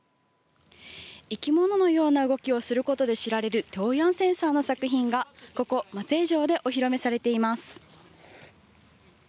生き物のような動きをすることで知られるテオ・ヤンセンさんの作品がここ松江城でお披露目されています。